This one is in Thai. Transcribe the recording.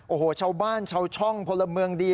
โอ้โหชาวบ้านชาวช่องพลเมืองดี